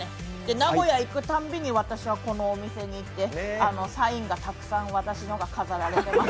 名古屋行くたんびに、私はこのお店に行って、私のサインがたくさん飾られてます。